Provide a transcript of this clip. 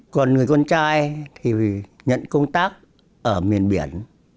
còn người con trai thì nhận công tác ở miền biển